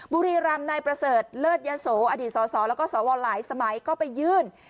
บุรีรำนายประเสริฐเลิศยะโสอดีตสสแล้วก็สวหลายสมัยก็ไปยื่น